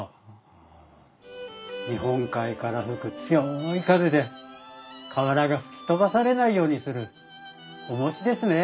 日本海から吹く強い風で瓦が吹き飛ばされないようにするおもしですね。